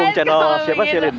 dukung channel siapa shailene